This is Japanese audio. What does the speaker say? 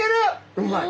うまい？